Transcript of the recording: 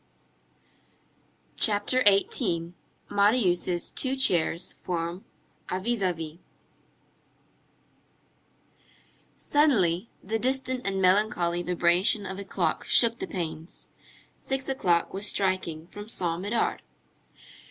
CHAPTER XVIII—MARIUS' TWO CHAIRS FORM A VIS A VIS Suddenly, the distant and melancholy vibration of a clock shook the panes. Six o'clock was striking from Saint Médard.